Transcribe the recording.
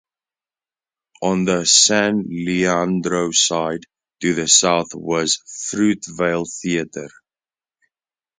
On the San Leandro side, to the south, was the Fruitvale Theater.